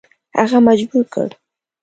هغه مجبور کړ.